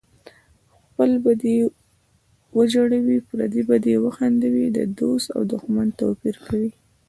خپل به دې وژړوي پردی به دې وخندوي د دوست او دښمن توپیر کوي